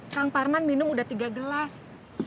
kang parman minum udah tiga gelas